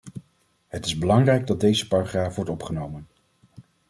Het is belangrijk dat deze paragraaf wordt opgenomen.